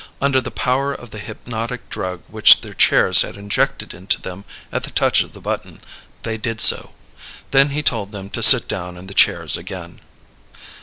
Under the power of the hypnotic drug which their chairs had injected into them at the touch of the button, they did so. Then he told them to sit down in the chairs again.